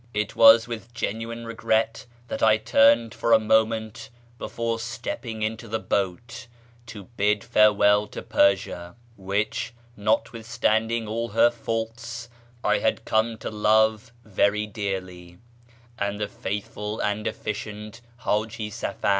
It was with genuine regret that I turned for a moment before stepping into the boat to bid farewell to Persia (which, notwithstanding all her faults, I had come to love very dearly) and the faithful and efficient Haji Safar.